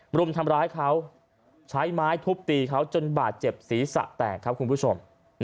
รุมทำร้ายเขาใช้ไม้ทุบตีเขาจนบาดเจ็บศีรษะแตกครับคุณผู้ชม